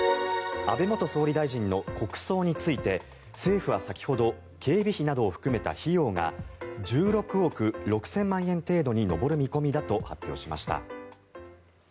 安倍元総理大臣の国葬について政府は先ほど警備費などを含めた費用が１６億６０００万円程度に上る見込みだと発表しました。